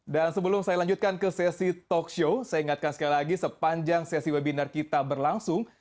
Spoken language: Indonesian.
dan sebelum saya lanjutkan ke sesi talkshow saya ingatkan sekali lagi sepanjang sesi webinar kita berlangsung